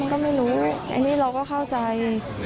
มันก็ไม่รู้แบบนี้เราก็เข้าใจ